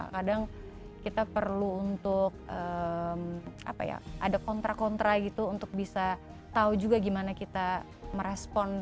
kadang kita perlu untuk ada kontra kontra gitu untuk bisa tahu juga gimana kita merespon